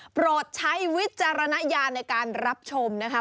โปรดใช้วิจารณญาณในการรับชมนะคะ